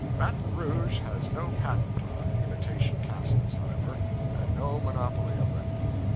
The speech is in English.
Baton Rouge has no patent on imitation castles, however, and no monopoly of them.